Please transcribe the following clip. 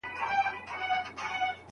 کورني مسولیتونه باید هېر نسي.